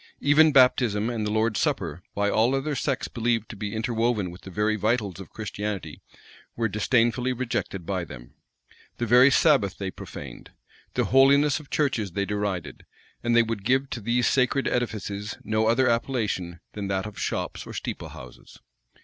Even baptism and the Lord's supper, by all other sects believed to be interwoven with the very vitals of Christianity, were disdainfully rejected by them. The very Sabbath they profaned. The holiness of churches they derided; and they would give to these sacred edifices no other appellation than that of shops or steeplehouses.